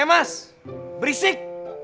eh mas berisik